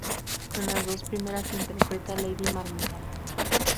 Con las dos primeras interpreta Lady Marmalade.